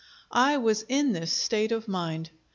I was in this state of mind.